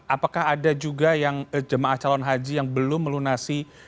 apakah ada juga yang jemaah calon haji yang belum melunasi